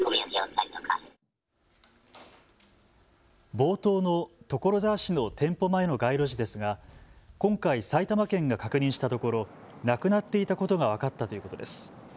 冒頭の所沢市の店舗前の街路樹ですが今回、埼玉県が確認したところなくなっていたことが分かったということです。